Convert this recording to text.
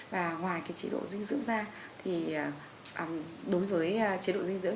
và ngoài cái chế độ dinh dưỡng da thì đối với chế độ dinh dưỡng